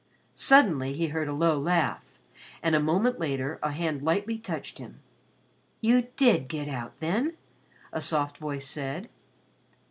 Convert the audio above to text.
Suddenly he heard a low laugh and a moment later a hand lightly touched him. "You did get out, then?" a soft voice said.